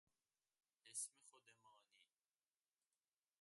اسم خود مانی